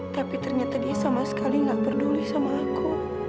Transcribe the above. tapi ternyata dia sama sekali nggak peduli sama aku